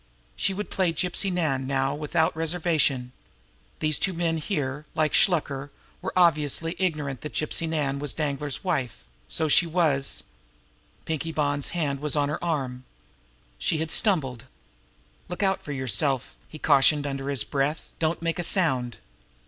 She would play Gypsy Nan now without reservation. These two men here, like Shluker, were obviously ignorant that Gypsy Nan was Danglar's wife; so she was Pinkie Bonn's hand was on her arm. She had stumbled. "Look out for yourself!" he cautioned under his breath. "Don't make a sound!"